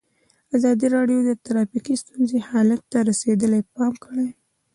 ازادي راډیو د ټرافیکي ستونزې حالت ته رسېدلي پام کړی.